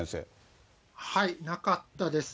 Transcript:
はい、なかったです。